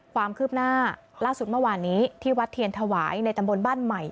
ความคืบหน้าล่าสุดเมื่อวานนี้ที่วัดเทียนถวายในตำบลบ้านใหม่